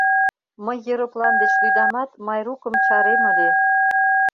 Мый ероплан деч лӱдамат, Майрукым чарем ыле: